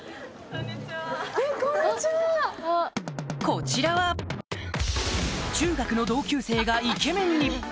こちらは中学の同級生がイケメンに！